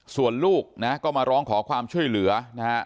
ส่วนลูกนะก็มาร้องขอความช่วยเหลือนะฮะ